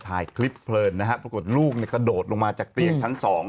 ถ่ายคลิปเพลินนะฮะปรากฏลูกเนี่ยกระโดดลงมาจากเตียงชั้น๒